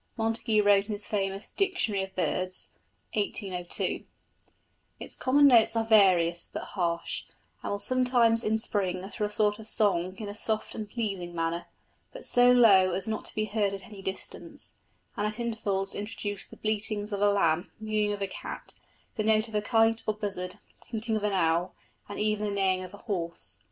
Montagu wrote in his famous Dictionary of Birds (1802): "Its common notes are various, but harsh; will sometimes in spring utter a sort of song in a soft and pleasing manner, but so low as not to be heard at any distance; and at intervals introduce the bleatings of a Lamb, mewing of a Cat, the note of a Kite or Buzzard, hooting of an Owl, and even the neighing of a Horse.